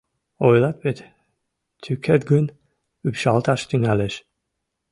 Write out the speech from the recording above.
Ойлат вет: тӱкет гын, ӱпшалташ тӱҥалеш.